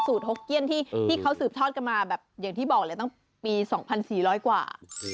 หกเกี้ยนที่เขาสืบทอดกันมาแบบอย่างที่บอกเลยตั้งปี๒๔๐๐กว่า